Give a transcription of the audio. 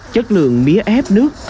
chất lượng mía ép nước